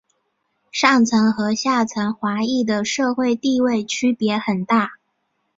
上层和下层华裔的社会地位区别很大。